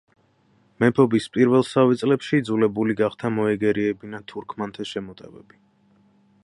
მეფობის პირველსავე წლებში იძულებული გახდა მოეგერიებინა თურქმანთა შემოტევები.